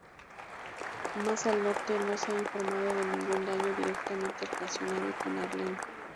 Más al norte, no se ha informado de ningún daño directamente relacionado con Arlene.